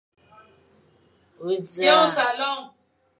We nẑa ?